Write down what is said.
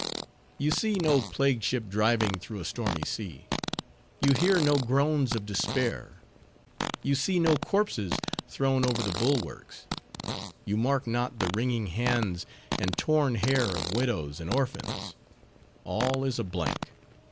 You see no plague ship driving through a stormy sea; you hear no groans of despair; you see no corpses thrown over the bulwarks; you mark not the wringing hands and torn hair of widows and orphans:—all is a blank.